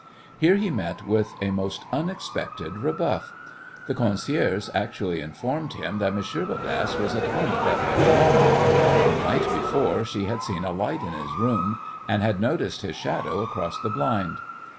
Here he met with a most unexpected rebuff. The concierge actually informed him that Monsieur Bodasse was at home at that very moment! The night before she had seen a light in his room, and had noticed his shadow across the blind.